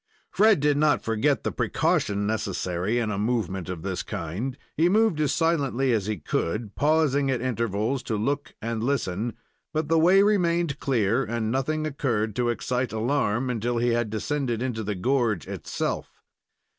Fred did not forget the precaution necessary in a movement of this kind. He moved as silently as he could, pausing at intervals to look and listen; but the way remained clear, and nothing occurred to excite alarm until he had descended into the gorge itself.